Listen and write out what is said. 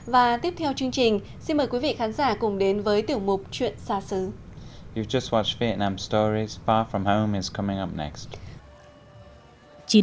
và tiếp theo chương trình xin mời quý vị khán giả cùng đến với tiểu mục chuyện xa xứ